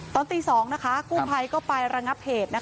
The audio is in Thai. ตอนตีสองกุภัยก็ไปรังับเหตุ